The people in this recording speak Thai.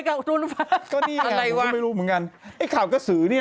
กับนูนุภาพอะไรวะไม่รู้เหมือนกันไอ้ข่าวกระสือเนี่ย